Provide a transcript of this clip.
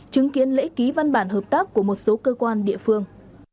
chứng kiến lễ ký văn bản hợp tác của một số cơ quan địa phương